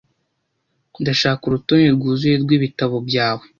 Ndashaka urutonde rwuzuye rwibitabo byawe .